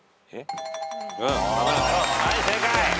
はい正解。